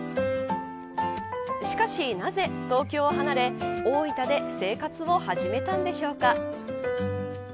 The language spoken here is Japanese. しかし、なぜ東京を離れ大分で生活を始めたのでしょうか。